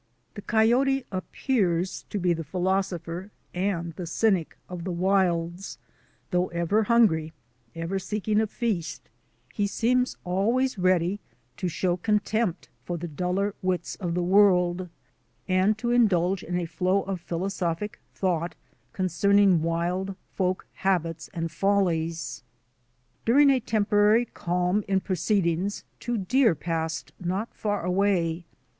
The coyote appears to be the philosopher and the cynic of the wilds. Though ever hungry, ever seeking a feast, he seems always readv to show io2 THE ADVENTURES OF A NATURE GUIDE contempt for the duller wits of the world, and to indulge in a flow of philosophic thought concerning wild folk habits and follies. During a temporary calm in proceedings two deer passed not far away.